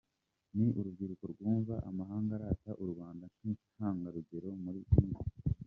Ni urubyiruko rwumva amahanga arata u Rwanda nk’intangarugero muri byinshi.